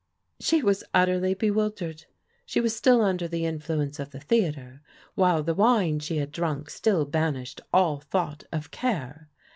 '* She was utterly bewildered She was still under the influence of the theatre, while the wine she had drunk still banished all thought of care.